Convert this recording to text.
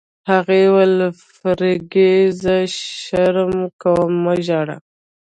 هغې وویل: فرګي، زه شرم کوم، مه ژاړه.